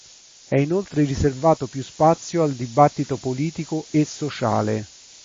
È inoltre riservato più spazio al dibattito politico e sociale.